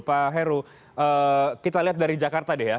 pak heru kita lihat dari jakarta deh ya